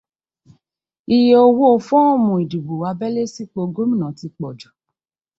Iye owó fọ́ọ̀mù ìdìbò abẹ́lẹ́ sípò gómìnà ti pọ̀ jù.